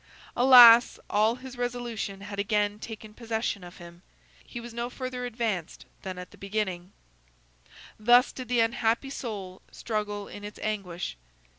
Alas! all his resolution had again taken possession of him. He was no further advanced than at the beginning. Thus did this unhappy soul struggle in its anguish.